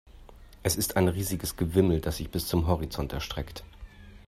Es ist ein riesiges Gewimmel, das sich bis zum Horizont erstreckt.